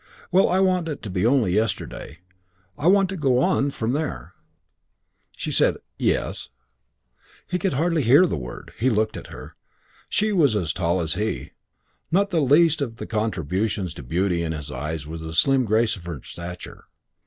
Well, I want it to be only yesterday. I want to go on from there." She said, "Yes." He hardly could hear the word. He looked at her. She was as tall as he. Not least of the contributions to her beauty in his eyes was the slim grace of her stature.